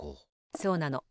そうなの。